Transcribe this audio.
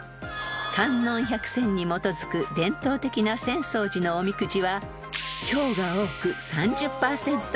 ［観音百籤に基づく伝統的な浅草寺のおみくじは凶が多く３０％］